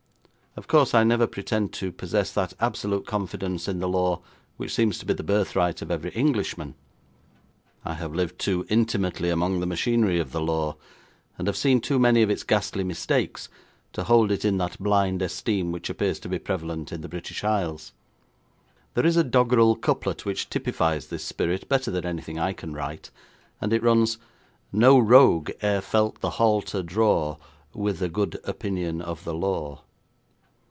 Of course, I never pretend to possess that absolute confidence in the law which seems to be the birthright of every Englishman. I have lived too intimately among the machinery of the law, and have seen too many of its ghastly mistakes, to hold it in that blind esteem which appears to be prevalent in the British Isles. There is a doggerel couplet which typifies this spirit better than anything I can write, and it runs: No rogue e'er felt the halter draw, With a good opinion of the law.